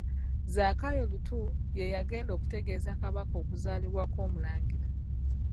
Zakayo Lutu, ye yagenda okutegeeza Kabaka okuzaalibwa kw'Omulangira.